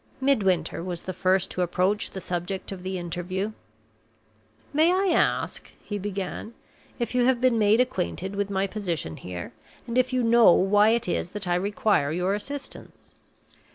Midwinter was the first to approach the subject of the interview. "May I ask," he began, "if you have been made acquainted with my position here, and if you know why it is that I require your assistance?"